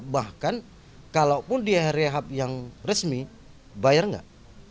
bahkan kalau pun dia rehab yang resmi bayar enggak